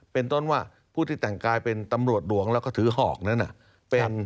เป็นต้นว่าผู้ที่แต่งกายเป็นตำรวจหลวงแล้วก็ถือหอกนั้นเป็น